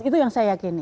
itu yang saya yakin